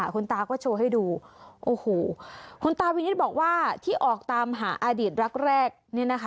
คุณตาก็โชว์ให้ดูคุณตาวินิตรบอกว่าที่ออกตามหาอดีตรักแรก